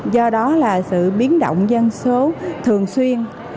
do đó là sự biến động dân số thường xuyên